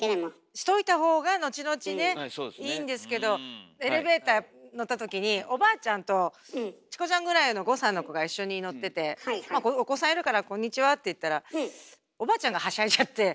しといたほうがのちのちねいいんですけどエレベーター乗ったときにおばあちゃんとチコちゃんぐらいの５歳の子が一緒に乗っててまあお子さんいるから「こんにちは」って言ったらおばあちゃんがはしゃいじゃって「いつも見てるわよ！」